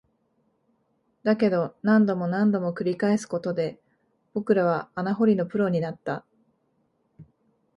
だけど、何度も何度も繰り返すことで、僕らは穴掘りのプロになった